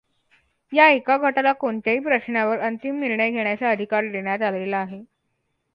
या एका गटाला कोणत्याही प्रश्नावर अंतिम निर्णय घेण्याचा अधिकार देण्यात आला आहे.